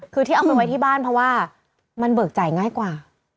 คือที่เอาไปไว้ที่บ้านเพราะว่ามันเบิกจ่ายง่ายกว่า